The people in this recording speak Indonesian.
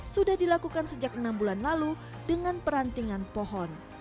sudah dilakukan sejak enam bulan lalu dengan perantingan pohon